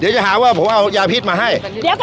เดี๋ยวจะหาว่าผมเอายาพิษมาให้